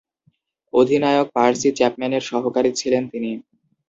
অধিনায়ক পার্সি চ্যাপম্যানের সহকারী ছিলেন তিনি।